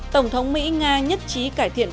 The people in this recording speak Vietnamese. tổng thống mỹ nga nhất trí cải thiện